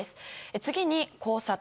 次に、交差点。